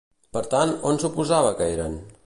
Per tant, on suposava que eren?